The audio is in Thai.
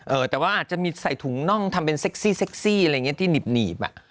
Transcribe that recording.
เออแต่ว่าอาจจะมีใส่ถุงน่องทำเป็นเซ็กซี่เซ็กซี่อะไรอย่างเงี้ที่หนีบอ่ะ